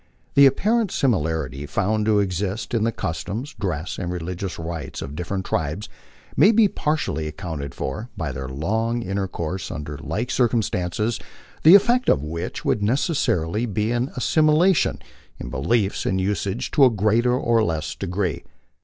The apparent similarity found to exist in the customs, dress, and religious rites of different tribes may be partially accounted for by their long intercourse under like circumstances, the effect of which would necessarily be an assimilation in beliefs and usages to a greater or less de gree.